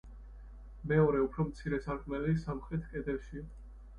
მეორე უფრო მცირე სარკმელი სამხრეთ კედელშია.